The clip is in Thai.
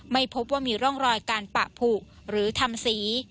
ไม่พบว่ามีร่องรอยการปะผุหรือทำสี